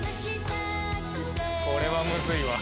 「これはむずいわ。